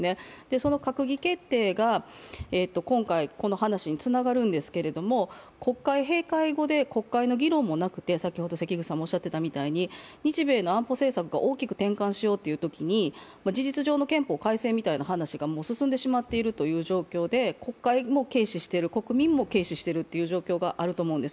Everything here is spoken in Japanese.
その閣議決定が今回、この話につながるんですけど国会閉会後で国会の議論もなくて日米の安保政策が大きく転換しようというときに、事実上の憲法改正みたいな話が進んでしまっているという状況で国会も軽視している、国民も軽視しているという状況があると思うんです。